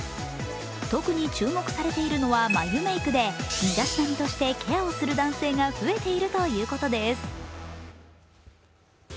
特に注目されているのは眉メークで身だしなみとしてケアをする男性が増えているということです。